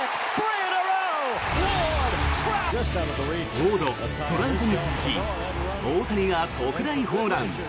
ウォード、トラウトに続き大谷が特大ホームラン。